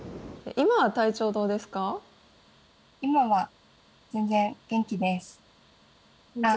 今は全然元気ですあっ